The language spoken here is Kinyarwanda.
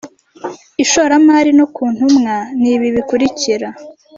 ishoramari no ku ntumwa ni ibi bikurikira